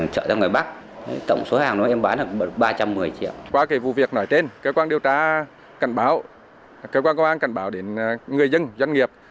cơ quan công an cảnh báo đến người dân doanh nghiệp